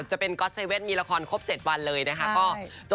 มันเป็นคลิปที่นานมาแล้ว